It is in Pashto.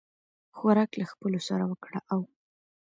خوراک له خپلو سره وکړه او